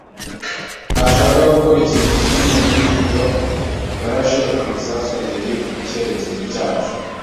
ntashaka gukora ikintu kinini muri byo. [T] yarashe amasasu abiri mu cyerekezo cyacu.